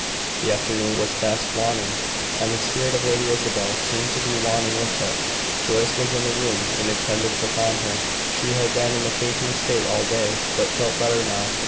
The afternoon was fast waning, and the spirit of Lady Isabel seemed to be waning with it. Joyce was in the room in attendance upon her. She had been in a fainting state all day, but felt better now.